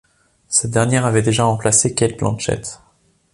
Cette dernière avait déjà remplacé Cate Blanchett.